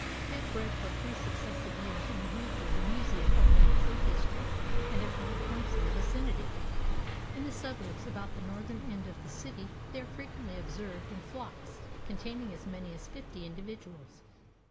They have bred for three successive years in the roof of the Museum of Natural History and at other points in the vicinity. In the suburbs about the northern end of the city they are frequently observed in flocks containing as many as fifty individuals."